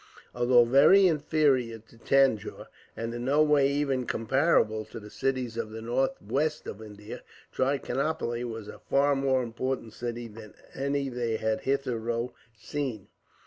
Although very inferior to Tanjore, and in no way even comparable to the cities of the northwest of India, Trichinopoli was a far more important city than any they had hitherto seen.